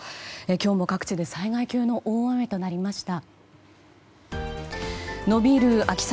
今日も各地で災害級の大雨となりました。